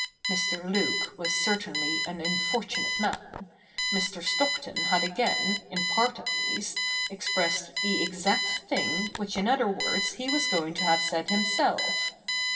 ^Ir. Luke was certainly an unfortunate man. Mr. Stockton had again, in part at least, expressed the exact thing which in other words he was going to have said himself.